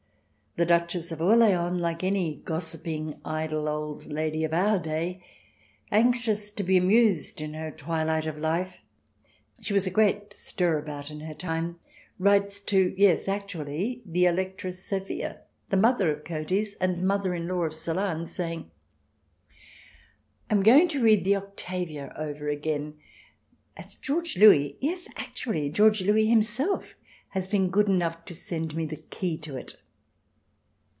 The Duchess of Orleans, like any gossiping, idle old lady of our day, anxious to be amused in her twilight of life — she was a great stirabout in her time — writes to — yes, actually the Electress Sophia, the mother of Cotys, and mother in law of Solane, saying :" I am going to read the ' Octavia ' over again, as George Louis — yes, actually George Louis himself! — has been good enough to send me the key to it."